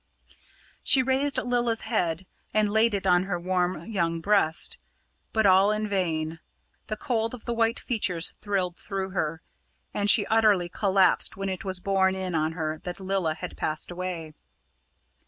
She raised Lilla's head and laid it on her warm young breast, but all in vain. The cold of the white features thrilled through her, and she utterly collapsed when it was borne in on her that Lilla had passed away.